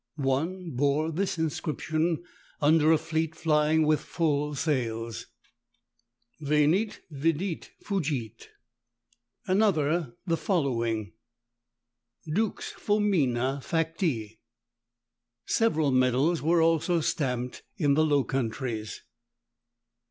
One bore this inscription, under a fleet flying with full sails, Venit, vidit, fugit: another the following, Dux Fœmina facti. Several medal were also stamped in the Low Countries.